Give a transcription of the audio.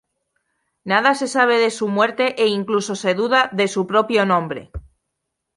Nada se sabe de su muerte e incluso se duda de su propio nombre.